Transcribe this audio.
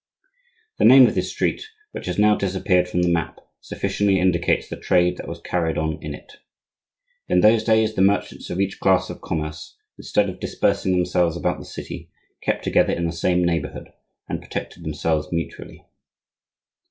The name of this street, which has now disappeared from the map, sufficiently indicates the trade that was carried on in it. In those days the merchants of each class of commerce, instead of dispersing themselves about the city, kept together in the same neighborhood and protected themselves mutually.